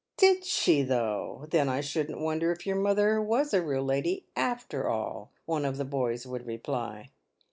" Did she though ? Then I shouldn't wonder if your mother was a real lady, after all !" one of the boys would reply.